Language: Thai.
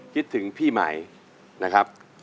คิดถึงพี่ใหม่นะครับ